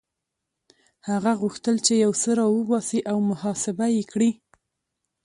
هغه غوښتل چې يو څه را وباسي او محاسبه يې کړي.